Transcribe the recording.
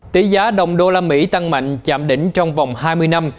tỷ giá đồng đô la mỹ tăng mạnh chạm đỉnh trong vòng hai mươi năm